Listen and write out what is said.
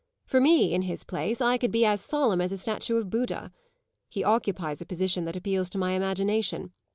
For me, in his place, I could be as solemn as a statue of Buddha. He occupies a position that appeals to my imagination.